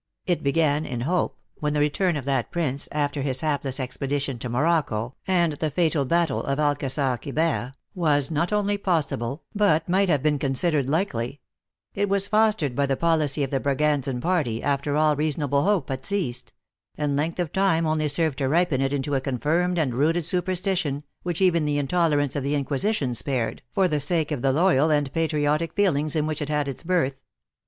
It began in hope, when the return of that prince, after his hapless expedition to Morocco, and the fatal battle of Alcagar Quiber, was not only possible, but might have been considered likely ; it was fostered by the policy of the Braganzan party after all reasonable hope had ceased ; and length of time only served to ripen it into a confirmed and rooted superstition, which even the intolerance of the Inquisition spared, for the sake of the loyal and pat riotic feelings in which it had its birth.